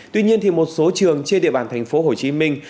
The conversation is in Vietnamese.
tuy nhiên một số trường trên địa bàn thành phố hồ chí minh